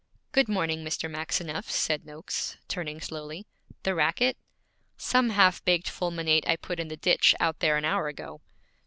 'Good morning, Mr. Maxineff,' said Noakes, turning slowly. 'The racket? Some half baked fulminate I put in the ditch out there an hour ago.'